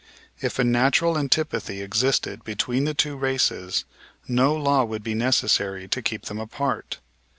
If a natural antipathy existed between the two races no law would be necessary to keep them apart.